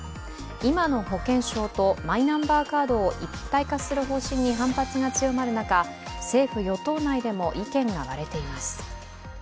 今の保険証とマイナンバーカードを一体化する方針に反発が強まる中政府・与党内でも意見が割れています。